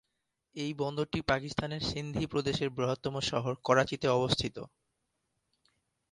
এই বন্দরটি পাকিস্তানের সিন্ধি প্রদেশের বৃহত্তম শহর করাচিতে অবস্থিত।